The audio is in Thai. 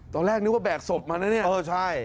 ตอนแรกนึกว่าแบกศพมานะเนี่ยเออใช่